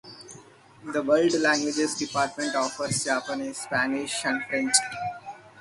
The World Languages department offers Japanese, Spanish, and French.